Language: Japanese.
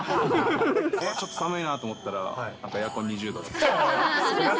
ちょっと寒いなと思ったら、なんかエアコン２０度とか。